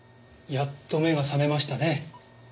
やっと目が覚めましたね。